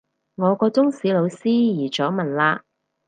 我個中史老師移咗民喇